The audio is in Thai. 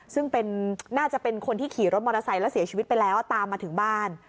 ซึ่งน่าจะเป็นคนที่ขี่รถมอเตอร์ไซค์แล้วเสียชีวิตไปแล้วตามมาถึงบ้าน